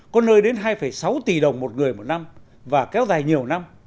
có nơi đến hai sáu tỷ đồng một người một năm và kéo dài nhiều năm